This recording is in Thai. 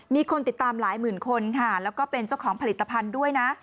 มีคนติดตามหลายหมื่นคนค่ะแล้วก็เป็นเจ้าของผลิตภัณฑ์ด้วยนะ